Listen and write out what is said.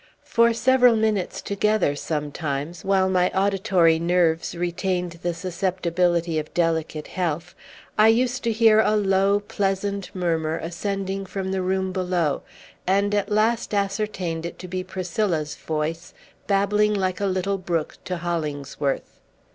For several minutes together sometimes, while my auditory nerves retained the susceptibility of delicate health, I used to hear a low, pleasant murmur ascending from the room below; and at last ascertained it to be Priscilla's voice, babbling like a little brook to Hollingsworth.